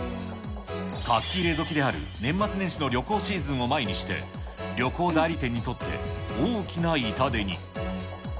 書き入れ時である年末年始の旅行シーズンを前にして、旅行代理店にとって大きな痛手に。